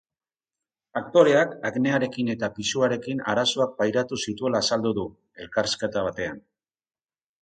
Aktoreak aknearekin eta pisuarekin arazoak pairatu zituela azaldu du, elkarrizketa batean.